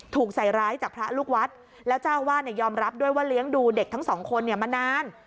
ถูกใส่ร้ายจากพระลูกวัดแล้วเจ้าอาวาสยอมรับด้วยว่าเลี้ยงดูเด็กทั้งสองคนเนี่ยมานาน